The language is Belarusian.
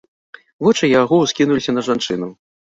Вочы яго ўскінуліся на жанчыну.